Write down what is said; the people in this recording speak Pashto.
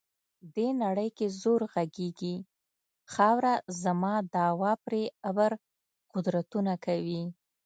دې نړۍ کې زور غږیږي، خاوره زما دعوه پرې ابر قدرتونه کوي.